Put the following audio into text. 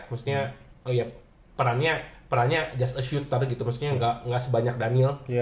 maksudnya perannya just a shooter gitu maksudnya gak sebanyak daniel